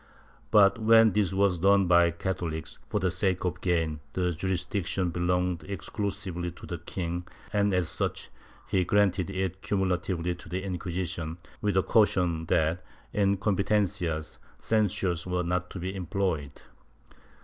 But when this was done by CathoHcs, for the sake of gain, the jurisdiction belonged exclusively to the king and as such he granted it cumu latively to the Inquisition, with the caution that, in competencias, censures were not to be employed.